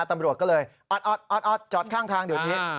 ทำโปรตก็เลยอจอดข้างทางเดี๋ยวนี้